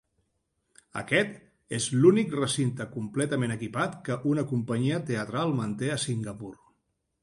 Aquest és l'únic recinte completament equipat que una companyia teatral manté a Singapur.